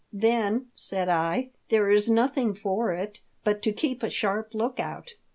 "Then," said I, "there is nothing for it but to keep a sharp look out.